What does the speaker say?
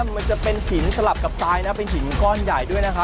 มันจะเป็นหินสลับกับทรายนะเป็นหินก้อนใหญ่ด้วยนะคะ